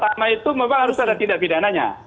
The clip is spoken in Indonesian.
pertama itu memang harus ada tindak pidananya